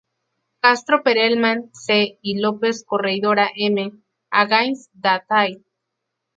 Castro-Perelman, C. y Lopez-Corredoira, M. ’’Against the Tide’’.